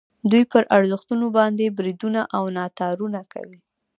دوی پر ارزښتونو باندې بریدونه او ناتارونه کوي.